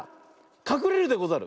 かくれるでござる。